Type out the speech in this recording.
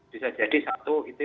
bisa jadi satu itu